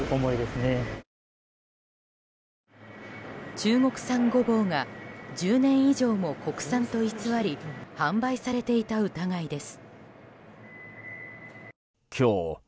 中国産ゴボウが１０年以上も国産と偽り販売されていた疑いです。